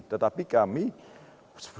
tetapi kami sudah punya kader berpengalaman